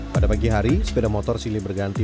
pada pagi hari sepeda motor silih berganti